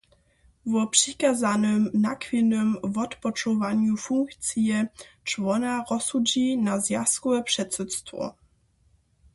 Wo přikazanym nachwilnym wotpočowanju funkcije čłona rozsudźi na zwjazkowe předsydstwo.